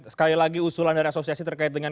sekali lagi usulan dari asosiasi terkait dengan